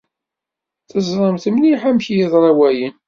Teẓṛamt mliḥ amek i yeḍṛa wayen.